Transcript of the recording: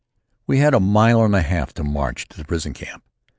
We had a mile and a half march to the prison camp.